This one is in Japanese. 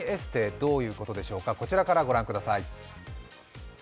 どういうことでしょうか、こちらから御覧ください。